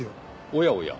おやおや。